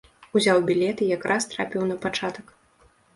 Узяў білет і якраз трапіў на пачатак.